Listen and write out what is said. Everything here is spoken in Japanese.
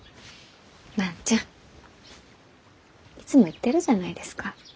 万ちゃんいつも言ってるじゃないですか。